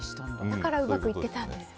だからうまくいってたんですね。